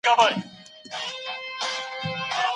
خاوند بايد د ميرمني احساسات له پامه ونه غورځوي.